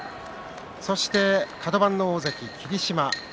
そしてカド番の大関霧島。